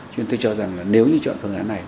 cho nên tôi cho rằng là nếu như chọn phương án này